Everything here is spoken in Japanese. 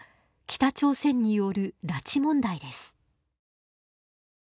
北朝鮮による拉致問題です。